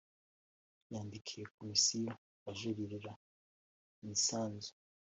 yandikiye Komisiyo ajuririra imisanzu